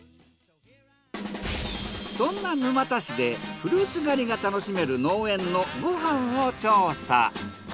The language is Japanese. そんな沼田市でフルーツ狩りが楽しめる農園のご飯を調査。